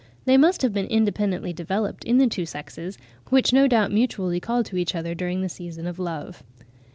They must have been independently developed in the two sexes, which no doubt mutually call to each other during the season of love.